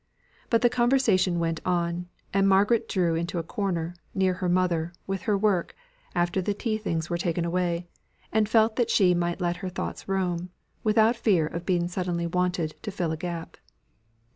But the conversation went on; and Margaret drew into a corner, near her mother, with her work, after the tea things were taken away; and felt that she might let her thoughts roam, without fear of being suddenly wanted to fill up a gap.